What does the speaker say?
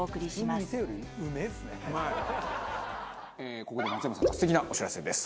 ここで松山さんから素敵なお知らせです。